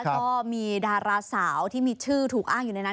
ก็มีดาราสาวที่มีชื่อถูกอ้างอยู่ในนั้น